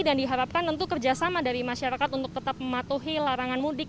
dan diharapkan tentu kerjasama dari masyarakat untuk tetap mematuhi larangan mundik